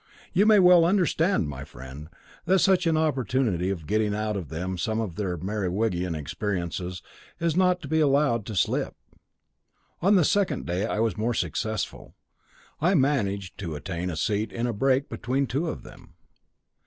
You may well understand, my friend, that such an opportunity of getting out of them some of their Merewigian experiences was not to be allowed to slip. On the second day I was more successful. I managed to obtain a seat in a brake between two of them.